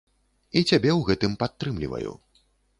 І цябе ў гэтым падтрымліваю.